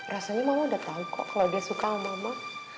rasanya mama udah tahu kok kalau dia suka sama mama